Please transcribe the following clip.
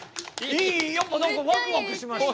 やっぱ何かワクワクしました。